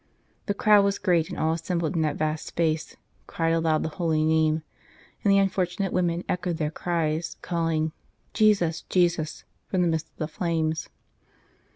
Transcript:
" The crowd was great, and all assembled in that vast space cried aloud the Holy Name ; and the unfortunate women echoed their cries, calling * Jesus ! Jesus ! from the midst of the flames."